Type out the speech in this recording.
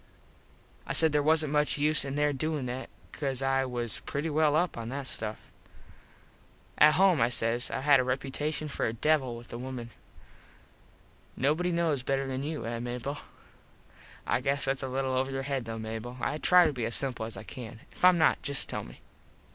I said there wasnt much use in there doin that cause I was pretty well up on that stuff. At home, I says, I had a reputashun for a devil with the wimen. Nobody knows better than you, eh Mable? I guess thats a little over your head though, Mable. I try to be as simple as I can. If Im not just tell me.